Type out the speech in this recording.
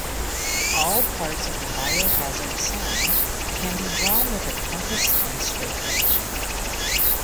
All parts of the biohazard sign can be drawn with a compass and straightedge.